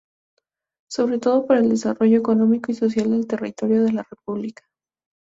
Sobre todo para el desarrollo económico y social del territorio de la república.